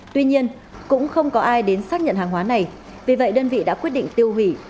tuy nhiên cũng không có ai đến xác nhận hàng hóa này vì vậy đơn vị đã quyết định tiêu hủy